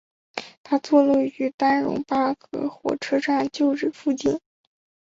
它将坐落于丹戎巴葛火车站旧址附近。